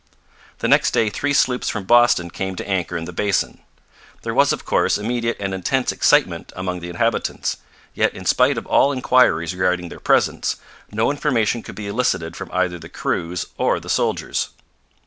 The next day three sloops from Boston came to anchor in the basin. There was, of course, immediate and intense excitement among the inhabitants; yet, in spite of all inquiries regarding their presence, no information could be elicited from either the crews or the soldiers.